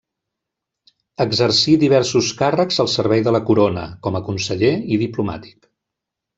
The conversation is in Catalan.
Exercí diversos càrrecs al servei de la Corona, com a conseller i diplomàtic.